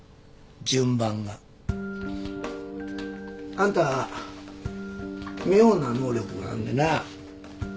あんた妙な能力があんねんな。